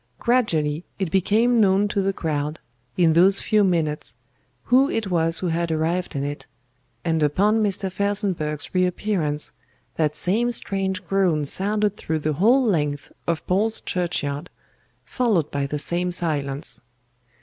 Gradually it became known to the crowd, in those few minutes, who it was who had arrived in it, and upon Mr. FELSENBURGH'S reappearance that same strange groan sounded through the whole length of Paul's Churchyard, followed by the same silence.